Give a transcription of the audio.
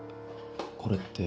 これって？